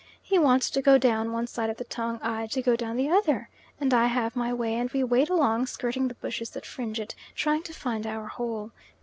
He wants to go down one side of the tongue, I to go down the other, and I have my way, and we wade along, skirting the bushes that fringe it, trying to find our hole.